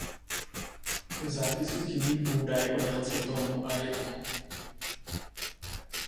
V zápisu chybí údaj o délce tónu a rytmu.